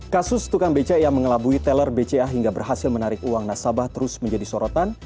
kasus tukang beca yang mengelabui teller bca hingga berhasil menarik uang nasabah terus menjadi sorotan